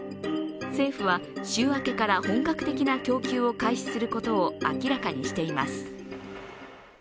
政府は、週明けから本格的な供給を開始することを明らかにしています。